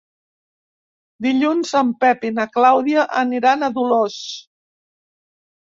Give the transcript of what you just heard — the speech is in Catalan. Dilluns en Pep i na Clàudia aniran a Dolors.